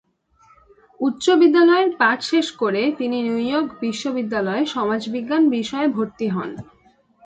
উচ্চ বিদ্যালয়ের পাঠ শেষ করে তিনি নিউ ইয়র্ক বিশ্ববিদ্যালয়ে সমাজবিজ্ঞান বিষয়ে ভর্তি হন।